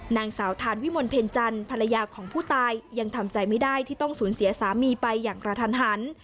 นางสาวทานวิมลเพ็ญจันทร์ภรรยาของผู้ตายยังทำใจไม่ได้ที่ต้องสูญเสียสามีไปอย่างกระทันหัน